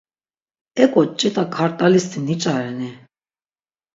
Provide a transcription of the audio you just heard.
Ek̆o ç̆it̆a kart̆alisti niç̌areni?